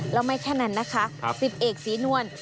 แล้วไม่แค่นั้นนะคะ๑๐เอกศรีนวล